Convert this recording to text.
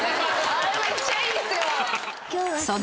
あれめっちゃいいですよ。